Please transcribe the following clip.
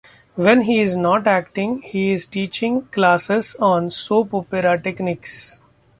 When he is not acting, he is teaching classes on soap opera techniques.